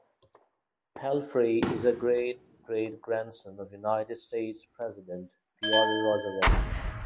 Palfrey is a great-great-grandson of United States President Theodore Roosevelt.